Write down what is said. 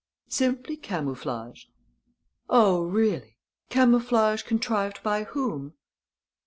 "Simply camouflage." "Oh, really? Camouflage contrived by whom?"